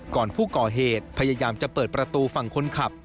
ก่อนผู้ก่อเหตุพยายามจะเปิดประตูฝั่งคนขับ